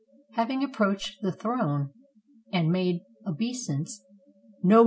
Ha\ing approached the throne and made obeisance, — "Know.